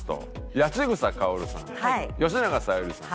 「八千草薫さん吉永小百合さん